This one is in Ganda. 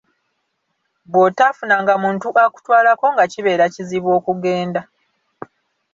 Bw'otafunanga muntu akutwalako nga kibeera kizibu okugenda.